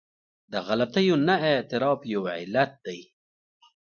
د غلطیو نه اعتراف یو علت دی.